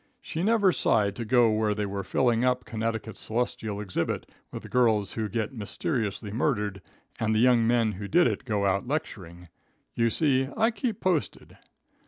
She never sighed to go where they are filling up Connecticut's celestial exhibit with girls who get mysteriously murdered and the young men who did it go out lecturing. You see I keep posted.